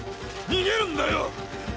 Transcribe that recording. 逃げるんだよ！